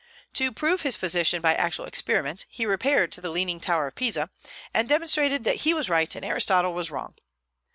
To prove his position by actual experiment, he repaired to the leaning tower of Pisa, and demonstrated that he was right and Aristotle was wrong.